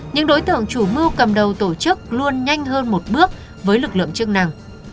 những đối tượng chủ mưu cầm đầu tổ chức luôn nhanh hơn một bước với lực lượng chức năng